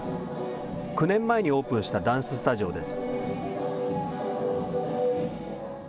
９年前にオープンしたダンススタジオです。